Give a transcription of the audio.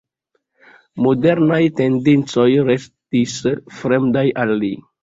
Modernaj tendencoj restis fremdaj al li.